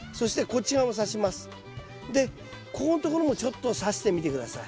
でここんところもちょっとさしてみて下さい。